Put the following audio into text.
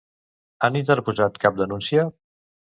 Han interposat cap denúncia?